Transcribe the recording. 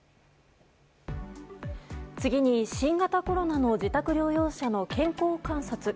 次に新型コロナの自宅療養者の健康観察。